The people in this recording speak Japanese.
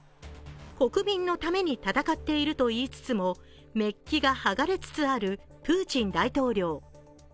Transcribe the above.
国民のために戦っているといいつつもメッキが剥がれつつあるプーチン大統領。